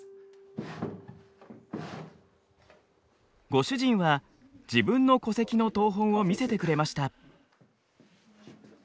ご主人は自分の戸籍の謄本を見せてくれました。